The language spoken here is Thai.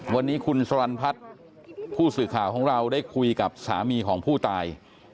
วันนี้คุณสรรพัฒน์ผู้สื่อข่าวของเราได้คุยกับสามีของผู้ตาย